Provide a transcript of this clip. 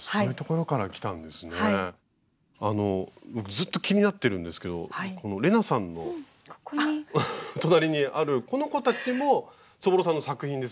ずっと気になってるんですけど玲奈さんの隣にあるこの子たちもそぼろさんの作品ですよね。